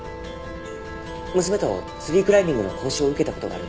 娘とツリークライミングの講習を受けた事があるんです。